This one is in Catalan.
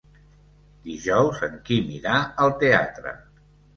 Dijous en Quim irà al teatre.